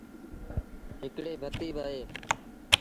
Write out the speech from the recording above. هڪڙي بتيٚ اهي۔